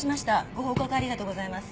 ご報告ありがとうございます。